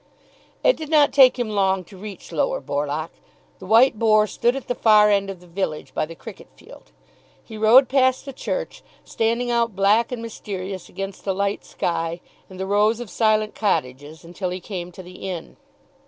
It did not take him long to reach Lower Borlock. The "White Boar" stood at the far end of the village, by the cricket field. He rode past the church standing out black and mysterious against the light sky and the rows of silent cottages, until he came to the inn.